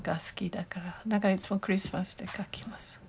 だからいつもクリスマスの時書きます。